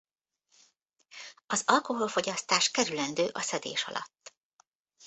Az alkoholfogyasztás kerülendő a szedés alatt.